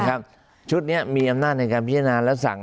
ชุดนี้มีอำนาจในการพิจารณาและสั่ง